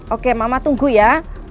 oke mama tunggu ya